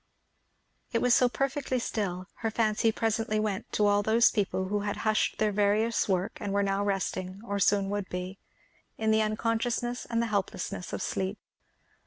It was so perfectly still, her fancy presently went to all those people who had hushed their various work and were now resting, or soon would be, in the unconsciousness and the helplessness of sleep.